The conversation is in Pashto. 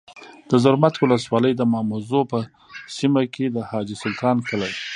د زرمت ولسوالۍ د ماموزو په سیمه کي د حاجي سلطان کلی